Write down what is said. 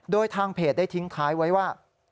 โดยทางเพจได้ทิ้งท้ายไว้ว่า